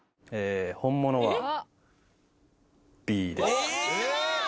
本物はＢです。